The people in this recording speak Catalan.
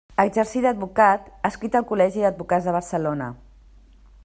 Exercí d'advocat adscrit al Col·legi d'Advocats de Barcelona.